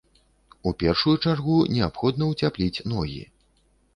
У першую чаргу неабходна ўцяпліць ногі.